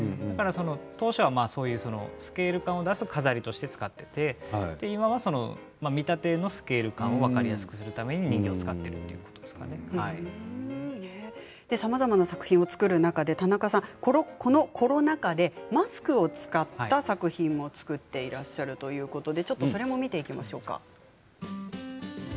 当初はスケール感を出す飾りとして使ってて今は見立てのスケール感を分かりやすくするために人形をさまざまな作品を作る中で田中さん、このコロナ禍でマスクを使った作品も作っていらっしゃるということでそれも見ていきましょうか。